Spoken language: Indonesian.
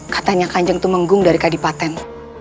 katanya kanjeng itu menggung dari kadipaten